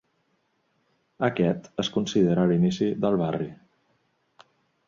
Aquest es considera l'inici del barri.